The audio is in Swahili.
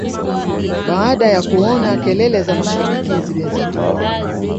baada ya kuona kelele za mashabiki zimezidi